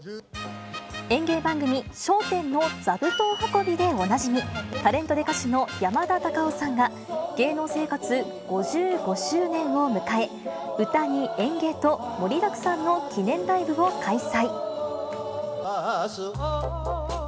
演芸番組、笑点の座布団運びでおなじみ、タレントで歌手の山田たかおさんが芸能生活５５周年を迎え、歌に演芸と、盛りだくさんの記念ライブを開催。